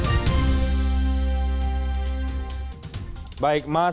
yang sudah dituntas